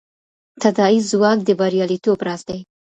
تداعي ځواک د بریالیتوب راز دی.